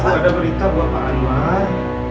aku ada berita buat pak anwar